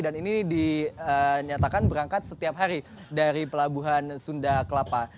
dan ini dinyatakan berangkat setiap hari dari pelabuhan sunda kelapa